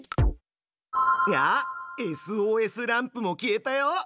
あっＳＯＳランプも消えたよ。